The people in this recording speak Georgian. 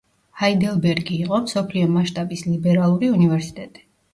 ჰაიდელბერგი იყო მსოფლიო მასშტაბის ლიბერალური უნივერსიტეტი.